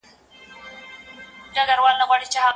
هغې څو میاشتې رخصتي واخیسته.